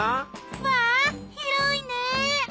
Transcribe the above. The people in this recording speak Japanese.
わぁ広いね。